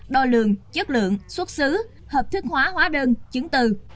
đo lường chất lượng xuất xứ hợp thức hóa hóa đơn chứng từ